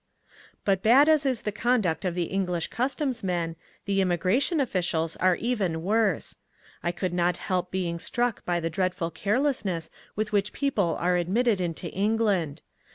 But bad as is the conduct of the English customs men, the immigration officials are even worse. I could not help being struck by the dreadful carelessness with which people are admitted into England.